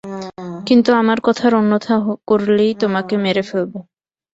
কিন্তু আমার কথার অন্যথা করলেই তোমাকে মেরে ফেলব।